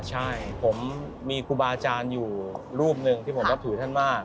ใช่ผมมีครูบาอาจารย์อยู่รูปหนึ่งที่ผมนับถือท่านมาก